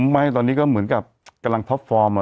ไม่ตอนนี้ก็เหมือนกับกำลังท็อปฟอร์ม